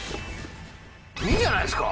いいんじゃないですか？